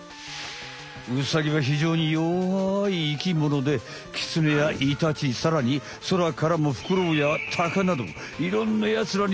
ウサギはひじょうに弱い生きものでキツネやイタチさらにそらからもフクロウやタカなどいろんなやつらに狙われるんだわ！